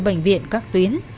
các bệnh viện các tuyến